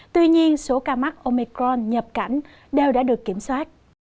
tuy nhiên số ca mắc omecron nhập cảnh đều đã được kiểm soát